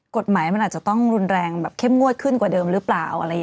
กฎหมายมันอาจจะต้องรุนแรงแบบเข้มงวดขึ้นกว่าเดิมหรือเปล่าอะไรอย่างนี้